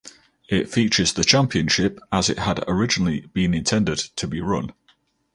It features the championship as it had originally been intended to be run.